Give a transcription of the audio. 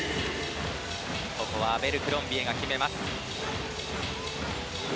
ここはアベルクロンビエが決めました。